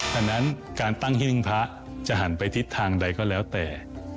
ดังนั้นการตั้งหิ้งพระจะหันไปทิศทางใดก็แล้วแต่